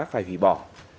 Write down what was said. phải hủy bỏ